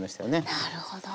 なるほど。